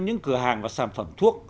những cửa hàng và sản phẩm thuốc